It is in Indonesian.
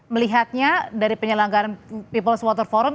melihatnya dari penyelenggaraan people s water forum